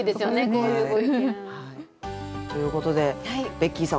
こういうご意見。ということでベッキーさん